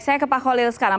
saya ke pak holil sekarang